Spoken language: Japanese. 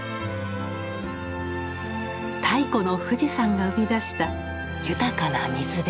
太古の富士山が生み出した豊かな水辺。